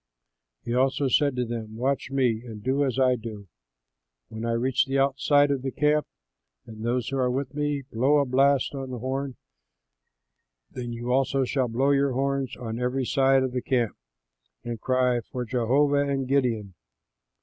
He also said to them, "Watch me and do as I do. When I reach the outside of the camp and those who are with me blow a blast on the horn, then you also shall blow your horns on every side of the camp and cry, 'For Jehovah and Gideon!'"